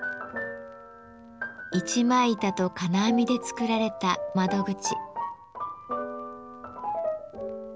一枚板と金網で作られた窓口。